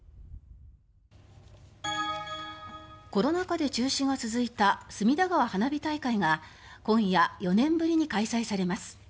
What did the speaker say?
コロナ禍で中止が続いた隅田川花火大会が今夜４年ぶりに開催されます。